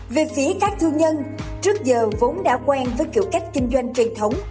về phía các thương nhân trước giờ vốn đã quen với kiểu cách kinh doanh truyền thống